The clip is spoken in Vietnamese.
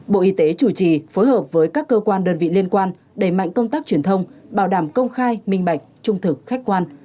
bộ y tế chủ trì phối hợp với các cơ quan đơn vị liên quan đẩy mạnh công tác truyền thông bảo đảm công khai minh bạch trung thực khách quan